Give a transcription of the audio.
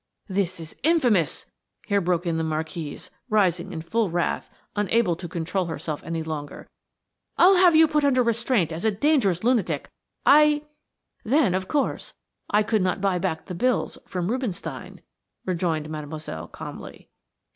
"This is infamous–" here broke in the Marquise, rising in full wrath, unable to control herself any longer. "I'll have you put under restraint as a dangerous lunatic. I–" "Then, of course, I could not buy back the bills from Rubinstein," rejoined Mademoiselle, calmly.